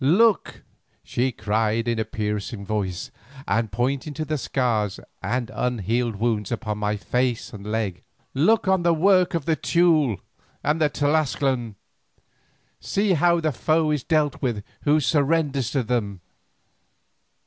"Look!" she cried in a piercing voice, and pointing to the scars and unhealed wounds upon my face and leg; "look on the work of the Teule and the Tlascalan, see how the foe is dealt with who surrenders to them.